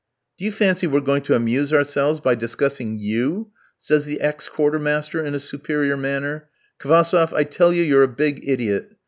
"Do you fancy we're going to amuse ourselves by discussing you?" says the ex quartermaster in a superior manner. "Kvassoff, I tell you you're a big idiot!